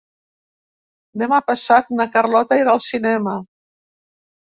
Demà passat na Carlota irà al cinema.